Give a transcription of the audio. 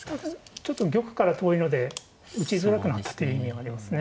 ちょっと玉から遠いので打ちづらくなったという意味ありますね。